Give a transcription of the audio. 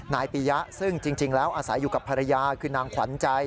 นายปียะซึ่งจริงแล้วอาศัยอยู่กับภรรยาคือนางขวัญใจ